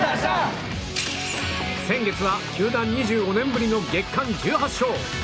先月は球団２５年ぶりの月間１８勝。